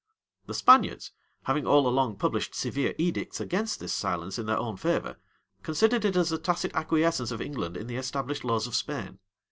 The Spaniards, having all along published severe edicts against the this silence in their own favor, and considered it as a tacit acquiescence of England in the established laws of Spain.